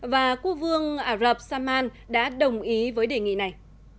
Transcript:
và quốc vương ả rập saman đã đồng ý với đề nghị này